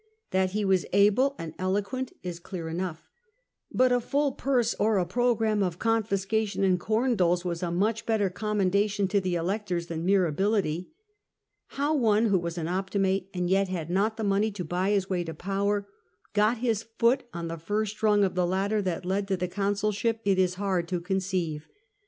TLat he was able and eloquent is clear enough, but a full purse, or a programme of confiscation and corn doles, was a much better commendation to the electors than mere ability. How one who was an Opti mate, and yet had not the money to buy his way to power, got his foot on the first rung of the ladder that led to the consulship, it is hard to conceive.